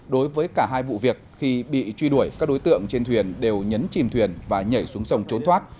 đối với cả hai vụ việc khi bị truy đuổi các đối tượng trên thuyền đều nhấn chìm thuyền và nhảy xuống sông trốn thoát